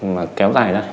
mà kéo dài ra